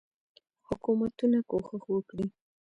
حکومتونه کوښښ وکړي.